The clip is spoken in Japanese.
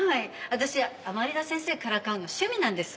私甘利田先生からかうの趣味なんです。